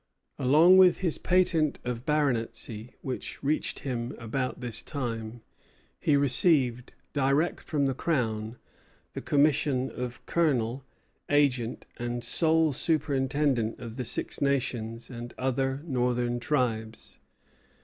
Along with his patent of baronetcy, which reached him about this time, he received, direct from the Crown, the commission of "Colonel, Agent, and Sole Superintendent of the Six Nations and other Northern Tribes."